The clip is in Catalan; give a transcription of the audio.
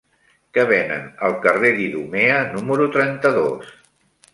Què venen al carrer d'Idumea número trenta-dos?